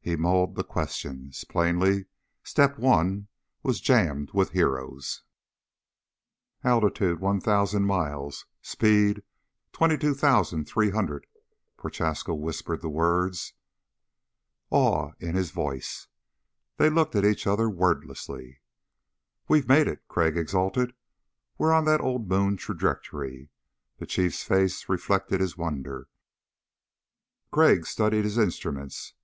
He mulled the questions. Plainly, Step One was jammed with heroes. "Altitude, 1,000 miles, speed, 22,300." Prochaska whispered the words, awe in his voice. They looked at each other wordlessly. "We've made it," Crag exulted. "We're on that old moon trajectory." The Chiefs face reflected his wonder. Crag studied his instruments.